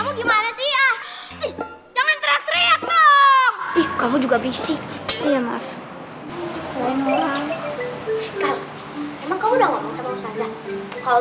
orang orang emang kamu udah ngomong sama ustazah kalau misalnya ustazah gak mau gimana